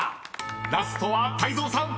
［ラストは泰造さん。